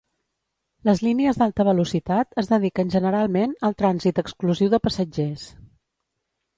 Les línies d'alta velocitat es dediquen generalment al trànsit exclusiu de passatgers.